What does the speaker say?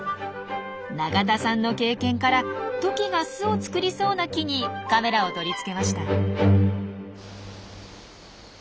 永田さんの経験からトキが巣を作りそうな木にカメラを取り付けました。